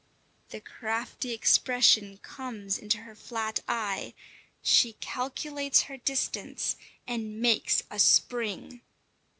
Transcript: The crafty expression comes into her flat eye; she calculates her distance, and makes a spring.